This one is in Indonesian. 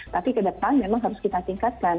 tapi kedepan memang harus kita tingkatkan